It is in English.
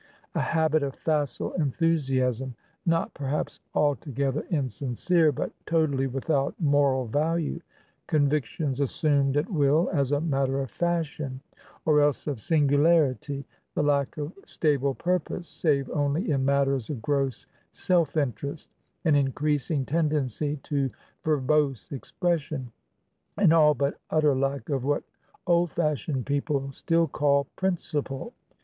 "A habit of facile enthusiasm, not perhaps altogether insincere, but totally without moral value ... convictions assumed at will, as a matter of fashion, or else of singularity ... the lack of stable purpose, save only in matters of gross self interest ... an increasing tendency to verbose expression ... an all but utter lack of what old fashioned people still call principle.